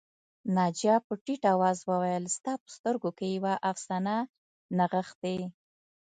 ناجیه په ټيټ آواز وویل ستا په سترګو کې یوه افسانه نغښتې